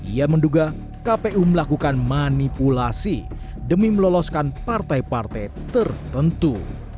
dua ribu dua puluh empat ia menduga kpu melakukan manipulasi demi meloloskan partai partai tertentu